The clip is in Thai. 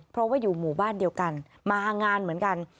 เพราะว่าอยู่หมู่บ้านเดียวกันมางานเหมือนกัน